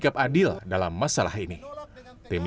kabupaten timbuk operateiti sambil